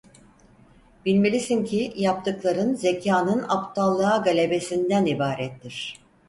Bilmelisin ki, yaptıkların zekanın aptallığa galebesinden ibarettir…